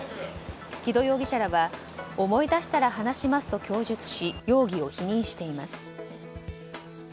木戸容疑者らは思い出したら話しますと供述し容疑を否認しています。